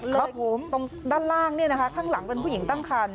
แล้วตรงด้านล่างเนี่ยนะคะข้างหลังเป็นผู้หญิงตั้งคัน